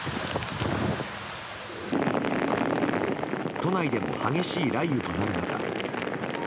都内でも激しい雷雨となる中。